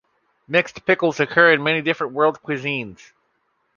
Mixed pickles occur in many different world cuisines.